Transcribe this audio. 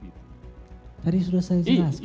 tadi sudah saya jelaskan